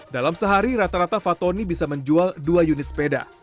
dalam sehari rata rata fatoni bisa menjual dua unit sepeda